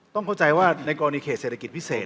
เข้าใจว่าในกรณีเขตเศรษฐกิจพิเศษ